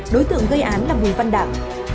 đối tượng gây án là vũ văn đảng